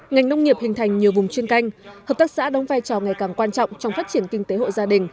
ngành nông nghiệp hình thành nhiều vùng chuyên canh hợp tác xã đóng vai trò ngày càng quan trọng trong phát triển kinh tế hộ gia đình